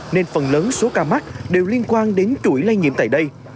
nên phần lớn số ca mắc đều liên quan đến chuỗi lây nhiễm tại đây